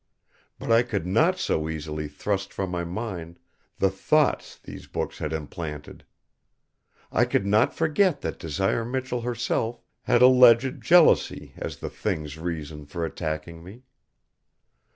But I could not so easily thrust from my mind the thoughts these books had implanted. I could not forget that Desire Michell herself had alleged jealousy as the Thing's reason for attacking me.